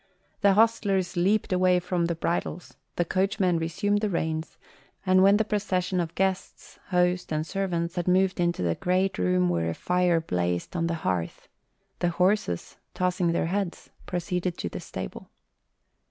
The hostlers leaped away from the bridles, the coachman resumed the reins, and when the procession of guests, host, and servants had moved into the great room where a fire blazed on the hearth, the horses, tossing their heads, proceeded to the stable.